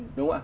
đúng không ạ